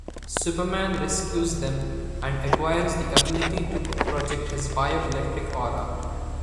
Superman rescues them, and acquires the ability to project his bio-electric aura.